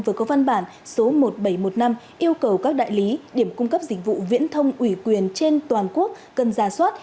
bộ thông tin và truyền thông vừa có văn bản số một nghìn bảy trăm một mươi năm yêu cầu các đại lý điểm cung cấp dịch vụ viễn thông ủy quyền trên toàn quốc cần ra soát